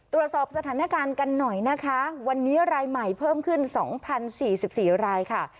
ตรวจสอบสถานการณ์กันหน่อยนะคะวันนี้รายใหม่เพิ่มขึ้น๒๐๔๔รายค่ะ